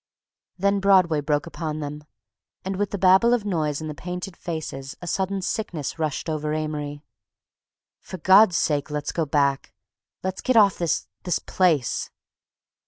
Then Broadway broke upon them, and with the babel of noise and the painted faces a sudden sickness rushed over Amory. "For God's sake, let's go back! Let's get off of this—this place!"